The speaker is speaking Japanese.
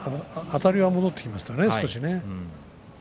あたりが戻ってきましたね少しね。